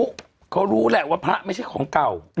เขารู้แหละว่าพระไม่ใช่ของเก่า